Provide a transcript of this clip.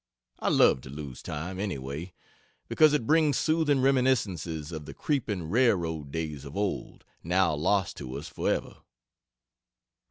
I love to lose time, anyway, because it brings soothing reminiscences of the creeping railroad days of old, now lost to us forever.